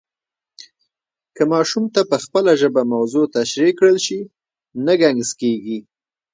که ماشوم ته په خپله ژبه موضوع تشریح کړل سي، نه ګنګس کېږي.